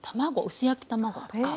薄焼き卵とか。